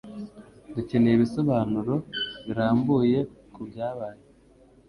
Dukeneye ibisobanuro birambuye kubyabaye.